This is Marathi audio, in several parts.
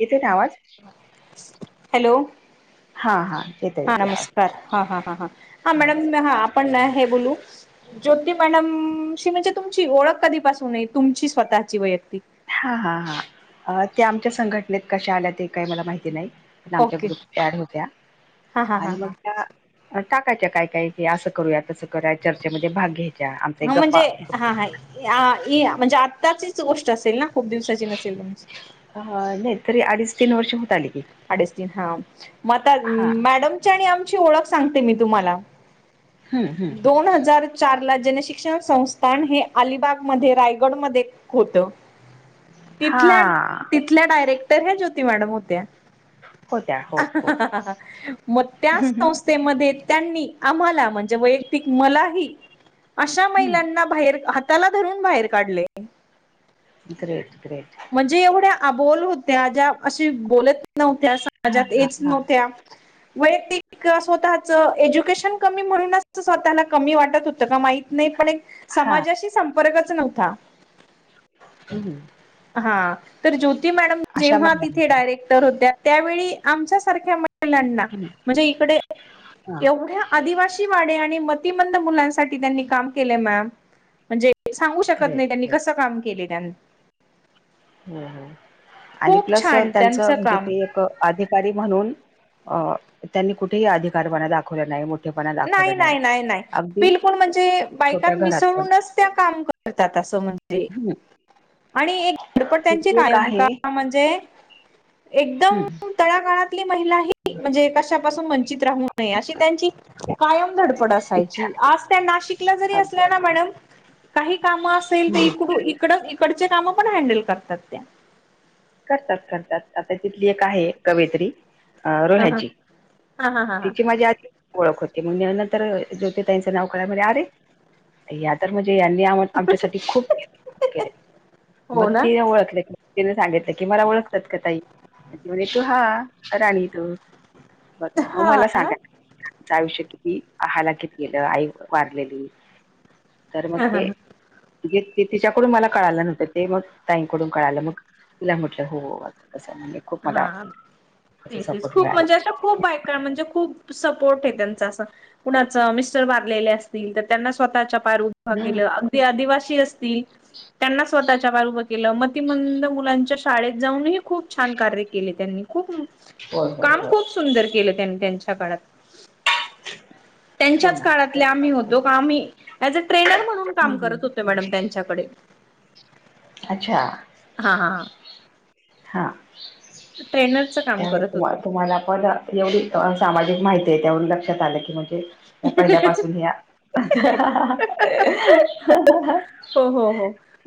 येेतोय का आवाज? [inaudible] हॅलो हां -हां येतय. हा नमस्कार हा -हा- हा- हा- हा मॅडम नमस्कार हा आपण हे बोलू. ज्योती मॅडमशी म्हणजे तुमची ओळख कधीपासून आहे तुमची स्वतःची वैयक्तिक? हा- हा- हा त्या आमच्या संघटनेत कशा आल्या ते काही मला माहिती नाही. [unintelligible] आमच्या ओके ग्रुपच्या ऍड होत्या हा हा हा आणि मग हा त्या टाकायच्या काय- काय असं करूया तसं करुया चर्चेमध्ये भाग घ्यायचा. हा म्हणजे हा -हा इ आ इ म्हणजे आत्ताचीच गोष्ट असेल ना खूप दिवसाची नसेल तुमच. हा- हा नाही, तरी अडीच, तीन वर्ष होत आली की. अडिच, तीन हा, मग आता हा मॅडमची आणि आमची ओळख सांगते मी तुम्हाला. हम्म हम्म दोन हजार. चार ला जनशिक्षण संस्थान हे अलिबाग मध्ये रायगड मध्ये होत. हा तिथल्या -तिथल्या डायरेक्टर ह्या ज्योती मॅडम होत्या. होत्या हो हो [inaudible] मग त्या हम्म हम्म संस्थेमध्ये त्यांनी आम्हाला म्हण वैयक्तिक मलाही अशा हम्म महिलांना बाहेर हाताला धरून बाहेर काढले. ग्रेट ग्रेट म्हणजे एवढ्या अबोल होत्या ज्या अशी बोलत नव्हत्या हा समाजात हा येत हा नव्हत्या. ह वैयक्तिक स्वतःच एज्युकेशन कमी म्हणूनच स्वतःला कमी वाटतंहोतं का माई नाही पण एक हा समाजाशी संपर्कच नव्हता. ह हा तर ज्योती मॅडम अशा जेव्हा मध्ये तिथे डायरेक्टर होत्या त्यावेळी आमच्या सारख्या महिल्यांना हम्म म्हणजे इकडे हा एवढ्या आदिवासी वाडे आणि मतिमंद मुलांसाठी त्यांनी काम केले मॅम म्हणजे सांगू शकत ग्रेट नाही त्यांनी ग्रेट कसं काम केले त्यां हो आणि खूप प्लस छान त्यांचं म्हणजे काम ते एक अधिकारी म्हणून अ त्यांनी कुठेही अधिकारपणा दाखवला नाही मोठेपणा दाखवला नाही नाही नाही नाही अगदी बिलकुल म्हणजे छोट्या बायकात घरात पण मिसळूनच त्या काम करतात असं म्हणजे हम्म आणि एक धडपड त्यांची तिथे एक कायम आहे का म्हणजे एकदम हम्म तळा गाळातली महिला ह म्हणजे कशापासून वंचित राहू नये अशी त्यांची कायम दडपडा इच्छा असते. आज नाशिकला जरी अगदी असल्या ना अगदी मॅडम काही काम असेल तर इकडून इकडं इकडचे काम पण हँडल करतात त्या करतात करतात आता तिथली एक आहे कवित्री अ हा हा रोह्याची हा हा हा हा तिची माझी आ ओळख होती मग नंतर ज्योतीताईचं नाव कळलं म्हणे अरे या तर म्हणजे यांनी आ आमच्यासाठी खूप केले हो मग ना तिने ओळखले तिने सांगितलं. की मला ओळखतात का ताई म्हणे तू हा राणी तू बरं हा मला सांगा ना आमचं आयुष्य किती? आहाला कित गेलं आई वारलेली तर मग हा हा ते ते तिच्याकडून मला कळालं नव्हतं ते मग ताईंकडून कळालं मग तिला म्हटलं हो हो आता कसं खूप मला हा त्याचा तेच तेच सपोर्ट खूप मिळाला. म्हणजे असं खूप बायका म्हणजे खूप सपोर्ट आहे त्यांचा असं कुणाच मिस्टर वारलेले असतील तर त्यांना स्वतःच्या पायारवर उभ हम्म. केलं. आदिवासी असतील. त्यांना स्वतःच्या पायावर उभ केलं मतिमंद मुलांच्या शाळेत जाऊनही खूप छान कार्य केले त्यांनी खूप होय होय काम होय खूप सुंदर केले त्यांनी त्यां हो त्यांच्याच ना. काळातले आम्ही होतो हम्म, का आम्ही अआज ट्रेनर म्हणून काम हम्म. करत होते मॅडम त्यांच्याकडे अच्छा हा हा हा हा ट्रेनरच काम करत त्यामुळे होतो. तुम्हाला पद एवढी सामाजिक माहिती आहे त्यावरून लक्षात आलं की म्हणजे पहिल्यापासून ह्या हृ.. हृ.. हृ.. हो हो हो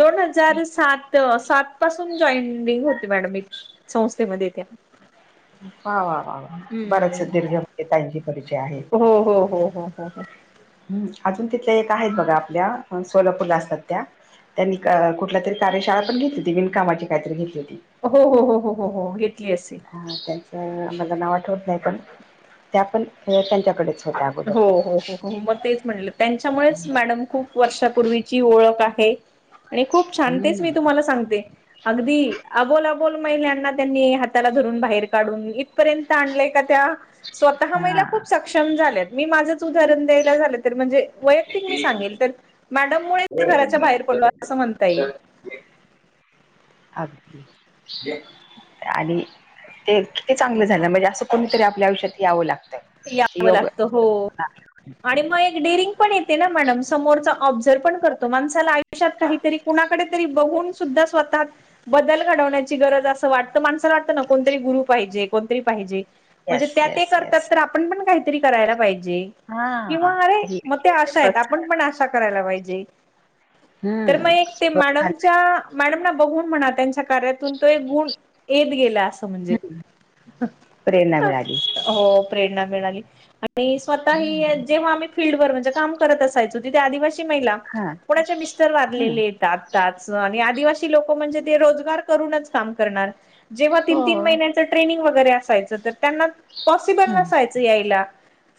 दोन हजार सात सात पासून जॉइनिंग होते मॅडम मी. संस्थेमध्ये त्या ह वा वा वा बरायाच हम्म दीर्घ त्यां परिचय आहे. हो हो हो हो हो हो हाअजून तिथल्या एक आहेत बघा आपल्या सोलापूरला असतात त्या त्यांनी कुठल्या तरी कार्यशाळा पण घेतली होती विनकामाची काहीतरी घेतली होती. हो हो हो हो हो हो घेतली असेल. ह त्याचं मलां नाव आठवत नाही पण त्या पण हे त्यांच्याकडेच. होत्या अगोदर हो हो हो हो हो मग तेच म्हटलं त्यांच्यामुळेच मॅडम खूप वर्षापूर्वीची ओळख आहे आणि खूप छान तेच मी हम्म तुम्हाला सांगते. अगदी.. अबोल अबोल महिलांना त्यांनी हाताला धरून बाहेर काढून घे पर्यंत आणलंय का त्या, स्वतः महिला हा खूप सक्षम झाल्यात. मी माझंच उदाहरण द्यायला झालं तर म्हणजे वैयक्तिक मी सांगेल तर मॅडम मुळे घराच्या बाहेर पडलो असं म्हणता येई. [inaudible] अग.. दे आणि.. ते किती चांगलं झालं म्हणजे असं कोणीतरी आपल्या आयुष्यात यावं लागतं. यावं योग लागत हो.. आणि मग एक डरिंग पण येते ना मॅडम समोर ऑबझर्व पण करतो माणसाला आयुषत काहीतरी कुणाकडे तरी बघून फ सुद्धा स्वतः बदल घडवण्याची गरज असं वाटतं माणसाला वाटतं ना कोणतरी गुरु पाहिजे कोणतरी पाहिजे. म्हणजे येस त्या ते येस करतात येस तर आपण पण काहीतरी करायला पाहिजे. हा किंवा अरे ही मग ते आशा आहेत प्रोत्साहन आपण पण आशा करायला पाहिजे. तर मग हम्म एक ते प्रोत्साहन, मॅडमच्या.. मॅडम बघून म्हणा त्यांच्या- कार्यातून तो एक गुण येत गेला असं म्हणजे हम्म, प्रेरणा मिळाली हो प्रेरणा मिळाली आणि स्वतः हा ही जेव्हा आम्ही फीलल्ड वर म्हणजे काम करत असायचो तिथे आदिवासी महिला कोणाच्या मिस्टर वारलेले हम्म येतात. आदीवासी लोक म्हणजे ते रोजगार करूनच काम करणार जेव्हा तीन तीन महिने ट्रेनिंग वगैरे असायच त्यांना पॉसिबल हम्म नयच याला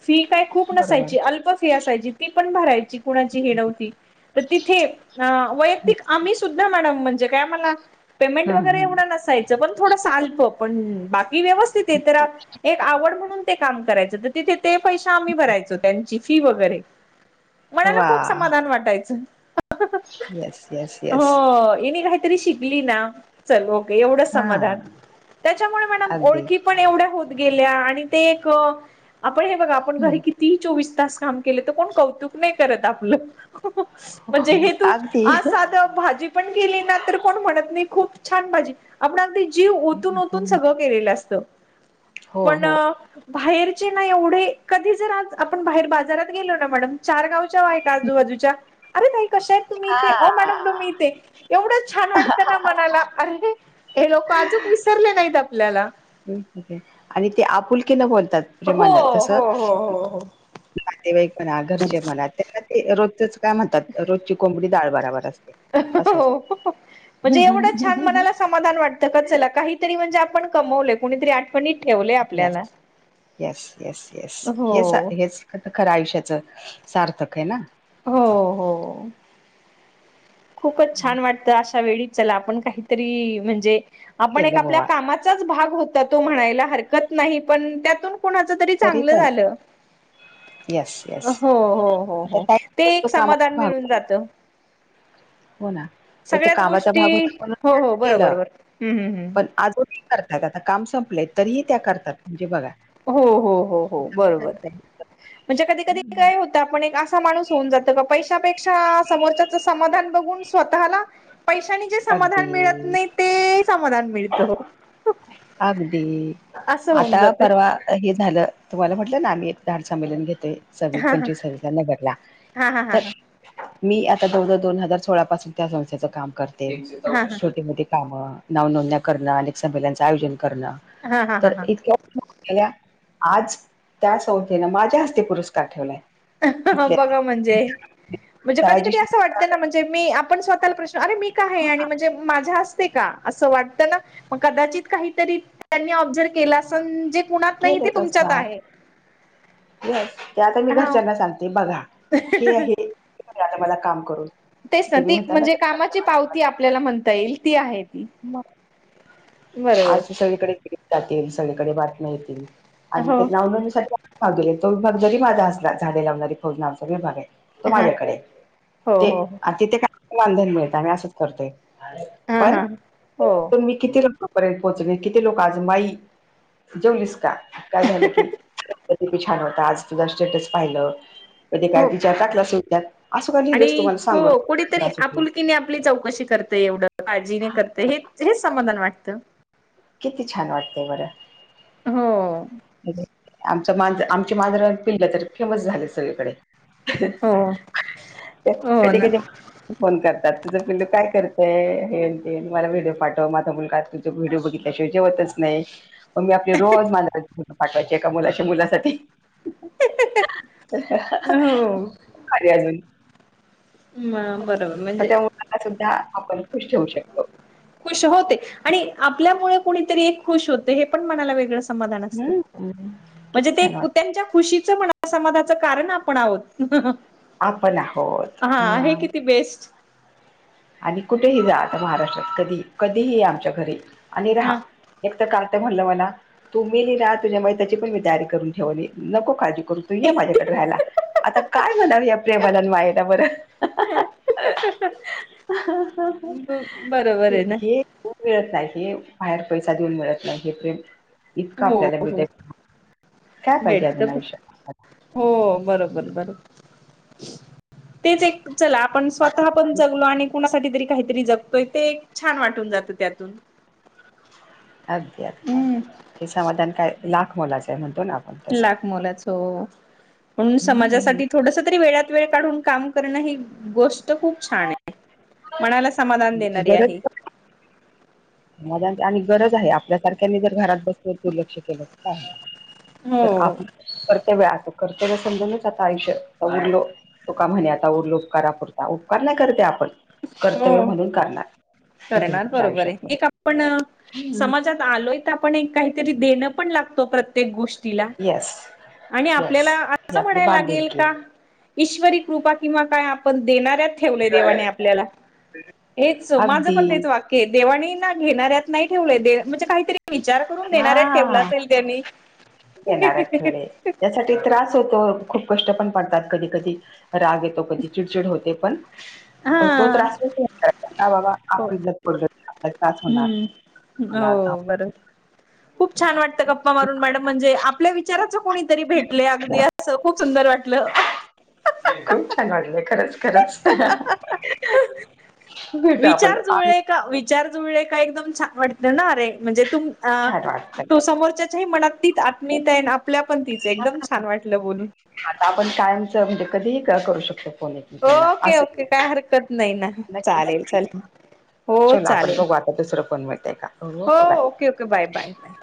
फी काय खूप बरोबर नसायची अल्प फी असायची ती पण भरायची कुणाची हे नव्हती. तर तिथे अ.. वैयक्तिक आम्ही सुद्धा मॅडम म्हणजे काय आमहला पेमेंट हम्म वगैरे ऐवढ हम्म नसायच. पण थोडस अल्प पण बाकी व्यवस्थित आहे तर एक आवड म्हणून ते काम करायचं. तिथे ते पैसे आम्ही भरायचो त्यांची फी वगैरे मनाला वा खूप समाधान वाटायचं, येस येस येस हो.. ऐनीघाट ती शिकली ना चल मोकळी ऐवढच हा समाधान त्याचामुळे मडम अगदी ओळखी पण एवढ्या होत गेल्या आणि ते एक.. आपण हे बघा आपण घरी हम्म कि ती चोवीस तास काम केले तर कोण कौतुक नाही करत आपलं. हृ.. म्हणजे हे तू अगदी आज हं, साध भाजी आपण केली ना तर कोण म्हणत नाही खूप छान भाजी आपणगदी जीव ओतून ओतून हं. सगळं केलेलं असत.. हो पण हो बाहेरचे ना एवढे कधी जर आज आपण बाहेर बाजारात गेलो ना मॅडम चार गावच्या बाई आजूबाजूच्या अरे ताई कशा आहेत तुम्ही हा इथे हो मॅडम तुम्ही इथे एवढं छान वाटतं ना मनाला अरे हे लोक आजूनच विसरले नाहीत आपल्याला आणि ते आपुलकीे न बोलतात हो प्रेमान तसं हो हो नातेवाईक म्हणा घरचे म्हणा त्याना ते रोजचच काय म्हणतात रोजची कोंबडी डाळ बराबर असते. असं असतं म्हणजे एवढं छान मनाला समाधान वाटतं का त्याला काही म्हणजे आपण कमव कोरी आठवणीतील ठेवलं येस येस येस येस हो हेच हेच आता खरं आयुष्याचं सार्थक आहे ना? हो हो खूपच छान वाटतं अशा वेळी चला आपण काहीतरी म्हणजे आपण एक केलं आपल्या बाबा कामाचाच भाग होता तो म्हणायला हरकत नाही पण त्यातून कुणाच तरी चांगलं झालं. येस येस हो हो हो आता हो ते काही तो एक समाधान कामाचा भाग मिळून आहे जात. हो ना तर ते सगळ्याच कामाचा गोष्टी भाग होता म्हणून हो मी हो आधी बरोबर केलं बर हम्म हम्म पण हम्म आजू करतायत आता काम संपलेय तरीही त्या करतात, म्हणजे बघा. हो हो हो हो बरोबर, म्हणजे कधी कधी काय हो आपण एक असा माणूस होऊन जातो का, पैशापेक्षा समोरच्याच समाधान बघून स्वतःला पैशानी जे समाधान मिळत अगदी नाही, ते समाधान मि अगदी, असं होऊन आता जात परवा हे झालं, तुम्हाला म्हटलं ना मी एक झाड संमेलन घेतोय. सव्वीस हा हा पंचवीस सव्वीस न भरला हा हा हा तर हा मी आता जवळ जवळ दोन हजार सोळा पासून त्या संस्थेचं काम कर ते हा हा छोटी मोठीे कामं, नाव नोंदण्या करणं अनेक संमेलनचं आयोजन करनं हा हा हा तर इतक्या ल्या, आज त्या संस्थेनं माझ्या हस्ते पुरस्कार ठेवलाय. तिथल्या बघा म्हणजे, म्हणजे कधी ताजी कधी असं वाटत ना म्हणजे, मी आपण स्वतःला प्रश्न अरे मी काय आहे, हा आणि म्हणजे माझ्या हस ते का, असं वाटतं ना, पण कदाचित काहीतरी त्यांनी ओबीजर्व केलं असण जे कुणात नाही ते केलंच तुमच्यात असणार आहे. येस, ते आता मी हा घरच्यांना सांगते, बघा हे मिळालं आहे मला काम करून. तेच ना, तुम्ही ती म्हणता म्हणजे कामाची पावती आपल्याला म्हणता येईल ती आहे. ती मग, बरोबर आज तर सगळीकडे [unintelligible] जातील सगळीकडे बातम्या येतील. आणि हो ते नावनोंदणीसाठी [unintelligible] तो विभाग जरी माझा असला, झाडे लावणारी फौज नावचा आमचा विभाग आहे. तो हा माझ्याकडे, हो ते हो हो अन तिथे काय वानधन मिळत नाही आम्ही असंच करतोय. हा हा, हो. तुम्ही किती लोकांपर्यंत पोहोचले, किती लोकं आज माई जेवलीस का? काय झालं की, [unintelligible] छान होता, आज तुझा स्टेटस पाहिलं. तर ते काय हो विचारतात [unintelligible] आणि हो कुणीतरी होतील आपुलकीने आपली चव कशी करते एवढं काळजीने करतंय हे हेच समाधान वाटतं. किती छान वाटतंय बरं. हो आमच मांज आमची मांजराची पिल्लं तर फेमस झालेत सगळीकडे. हो हो कधी ना कधी फोन करतात, तुझं पिल्लू काय करतंय हे ते, मला व्हिडिओ पाठव माझा मुलगा तो व्हिडिओ बघितल्या शिवाय जेवतच नाही, मग मी आपले रोज माझ फोटो पाठवायची एका मुलाच्या मुलासाठी. हो खाली अजून म बरोबर म्हणजे अस सुद्धा आपण खुश ठेऊ शकतो. खुश हो ते आणि आपल्यामुळे कुणीतरी एक खुश होतंय, हे पण मनाला वेगळं समाधान असतं, हम्म हम्म. किती म्हणजे ते छान वाटत त्यांच्या खुशीच समाधाच कारण आपण आहोत. आपण आहोत हा, हे मग किती बेस्ट. आणि कुठेही जा आता महाराष्ट्रात, कधी कधीही आमच्या घरी आणि राहा. हा एक तर कार्ट म्हणलं मला, तू मेली ना तुझ्या मयताची पण मी तयारी करून ठेवली, नको काळजी करू. तू ये माझ्याकडे राहायला, आता काय म्हणावं प्रेमाला अन मायेला बरं? [unintelligible] बरोबर आहे ना हे खूप मिळत नाही हे, बाहेर पैसा देऊन मिळत नाही हे ते इतकं आपल्याला मिळतंय. मिळतंय, हो बरोबर बरोबर. तेच एक चला, आपण स्वतः पण जगलो आणि कुणासाठी तरी काहीतरी जगतोय, ते एक छान वाटून जातं त्यातून. अगदी अगदी, हम्म हे समाधान काय लाख मोलाचं आहे म्हणतो ना आपण तसं लाखमोलाचं ओ. म्हणून हम्म समाजासाठी थोडस तरी वेळात वेळ काढून काम करणं ही गोष्ट खूप छान हे मणाला समाधान देणारी गरज आहे. पण [unintelligible] आणि गरज आहे आपल्या सारख्यांनी जर घरात बसल दुर्लक्ष केलं तर काय हाय. हो तर आपल कर्तव्य अस कर्तव्य समजूनच आता आयुष्य उरलो तुका म्हणे आता उरलो उपकारा पुरता. उपकार नाही करते आपण. कर्तव्य हो म्हणून करणार. इथून पुढच्या आयुष्यात पण. पण हम्म. समाजात आलोय तर आपण एक काहीतरी देणं पण लागतो प्र प्रत्येक गोष्टीला येस आणि येस आपल्याला ही असं आपली म्हणायला लागेल बांधिलकी का ईश्वरी कृपा किंवा काय आपण देणाऱ्यात ठेवलंय देवाने आपल्याला. ते हेच माझं पण तेच वाक्य आहे. देवानी ना घेणाऱ्यात नाही ठेवलंय म्हणजे काहीतरी विचार करून देणारऱ्यात ठेवलं हा असेल त्यानी. देणाऱ्यात ठेवलय. त्यासाठी त्रास होतो. खूप कष्ट पण पडतात कधी कधी राग येतो. कधी चिडचिड होते. पण तो हा त्रास ह बाबा आप हो प आपलक त्रास होणार. हम्म हो. होणार बरोबर. खूप छान वाटतं गप्पा मारून मॅडम म्हणजे आपल्या विचाराच कोणीतरी भेटले अगदी असं खूप सुंदर वाटलं. खूप छान वाटलं. खरंच खरंच. अहं अहं. विचार जुळे का विचार जुळे का एकदम छान वाट देणारे म्हणजे तुम छान वाटतंय. अ समोरच्याच्याही मनात ती मी तीत आहे आपल्या पण तिचं एकदम छान वाटलं बोलून. आता आपण कायमच म्हणजे कधीही करू शकतो फोन हे ओके ओके. काय हरकत नाही ना. नक्की चालेल नक्की. चालेल. हो चला आपण चालेल. बघू आता दुसरं कोण मिळतंय का हो okay bye. Okay okay. Bye bye bye.